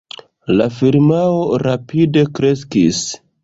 La firmao rapide kreskis.